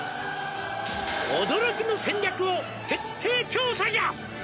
「驚きの戦略を徹底調査じゃ！」